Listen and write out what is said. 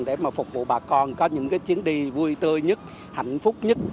để mà phục vụ bà con có những cái chuyến đi vui tươi nhất hạnh phúc nhất